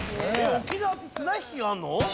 沖縄って綱引きがあるの？